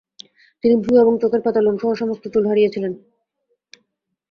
তিনি ভ্রু এবং চোখের পাতার লোমসহ সমস্ত চুল হারিয়েছিলেন।